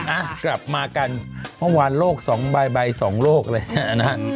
อ่ะกลับมากันเมื่อวานโลกสองใบสองโลกเลยนะฮะ